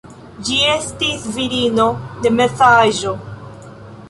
Ĝi estis virino de meza aĝo.